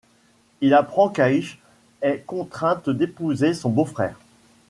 Il apprend qu'Ayshe est contrainte d'épouser son beau-frère.